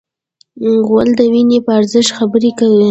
غول د وینې په ارزښت خبرې کوي.